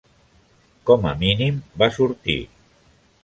Com a mínim, va sortir.